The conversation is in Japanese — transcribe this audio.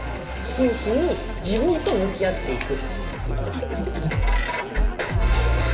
真摯に自分と向き合っていく。